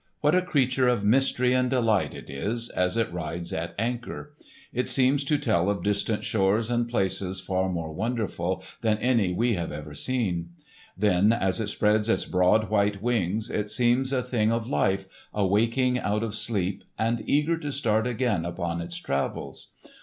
What a creature of mystery and delight it is, as it rides at anchor! It seems to tell of distant shores and places far more wonderful than any we have ever seen. Then, as it spreads its broad white wings, it seems a thing of life, awaking out of sleep and eager to start again upon its travels.